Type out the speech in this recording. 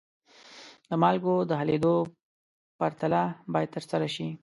د مالګو د حلیدو پرتله باید ترسره شي.